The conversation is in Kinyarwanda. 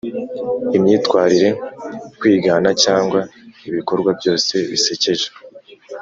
imyitwarire, kwigana cyangwa ibikorwa byose bisekeje.